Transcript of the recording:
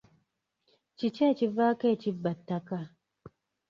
Kiki ekivaako ekibba ttaka?